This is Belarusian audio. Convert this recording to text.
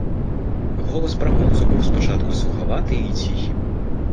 Голас прамоўцы быў спачатку сухаваты і ціхі.